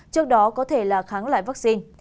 trước đó có thể là kháng loại vaccine